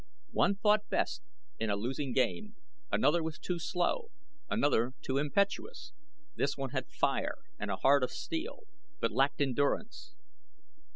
One fought best in a losing game; another was too slow; another too impetuous; this one had fire and a heart of steel, but lacked endurance.